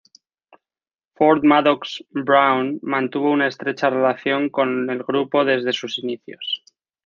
Ford Madox Brown mantuvo una estrecha relación con el grupo desde sus inicios.